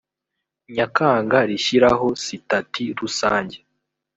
nyakanga rishyiraho sitati rusange